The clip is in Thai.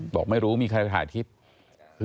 บอกไม่รู้มีใครไปถ่ายคลิป